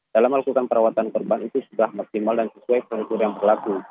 dalam melakukan perawatan korban itu sudah maksimal dan sesuai prosedur yang berlaku